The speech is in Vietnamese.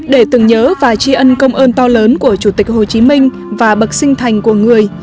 để tưởng nhớ và tri ân công ơn to lớn của chủ tịch hồ chí minh và bậc sinh thành của người